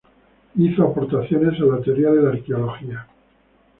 Hizo aportaciones a la teoría de la arqueología.